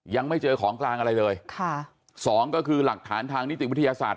ยังไม่เจอของกลางอะไรเลยค่ะสองก็คือหลักฐานทางนิติวิทยาศาสตร์